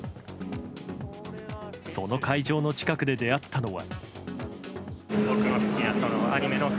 その会場の近くで出会ったのは。